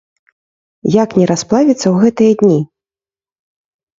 Як не расплавіцца ў гэтыя дні?